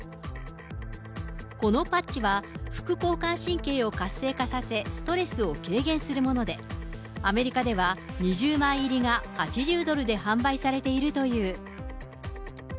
このパッチは副交感神経を活性化させ、ストレスを軽減するもので、アメリカでは２０枚入りが８０ドルで販売されているという。